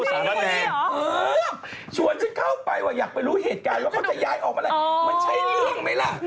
ชวนฉันเข้าไปว่าอยากไปรู้เกิดการแล้วเขาจะย้ายออกมาแล้วมันใช่เรื่องมั้ยล่ะ